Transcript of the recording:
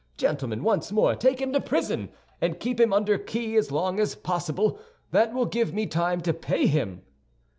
Gentlemen, once more, take him to prison, and keep him under key as long as possible; that will give me time to pay him."